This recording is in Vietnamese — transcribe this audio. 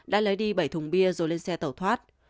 đã lấy đi bảy thùng bia rồi lên xe tẩu thoát